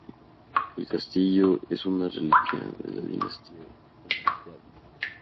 El castillo es una reliquia de la dinastía Hunyadi.